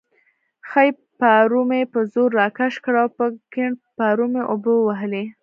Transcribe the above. ښی پارو مې په زور راکش کړ او په کیڼ پارو مې اوبه ووهلې.